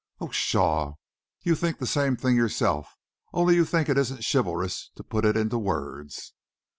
"Oh, pshaw! you think the same yourself, only you think it isn't chivalrous to put it into words."